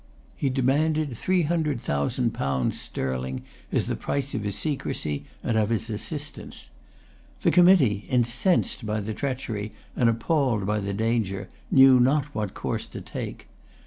He demanded three hundred thousand pounds sterling as the price of his secrecy and of his assistance. The committee, incensed by the treachery and appalled by the danger, knew not what course to take.